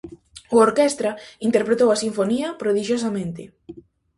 O orquestra interpretou a sinfonía prodixiosamente.